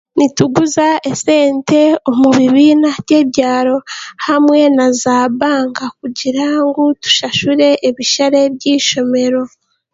Nituguza esente omu bibiina by'ebyaro hamwe naaza baanka kugira ngu tushashure ebishare by'eishomero